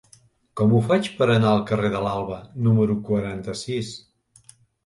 Com ho faig per anar al carrer de l'Alba número quaranta-sis?